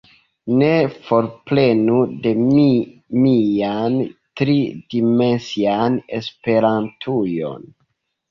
Ne forprenu de mi mian tri-dimensian Esperantujon!